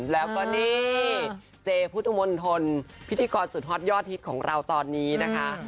แล้วก็นี่เจพุทธมนตรพิธีกรสุดฮอตยอดฮิตของเราตอนนี้นะคะ